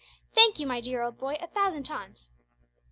Thank you, my dear old boy, a thousand times.